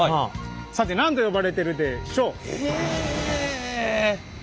さて何と呼ばれているでしょう？え？